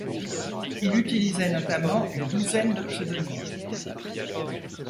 Il utilisait notamment une douzaine de pseudonymes.